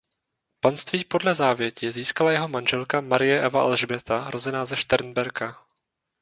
Panství podle závěti získala jeho manželka Marie Eva Alžběta rozená ze Šternberka.